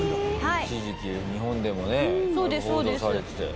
一時期日本でもね報道されてたよ。